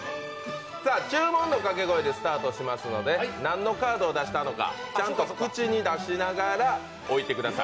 注文のかけ声でスタートしますので、何のカードを出したのかちゃんと口に出しながら、置いてください。